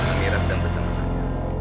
amira dan bersama sama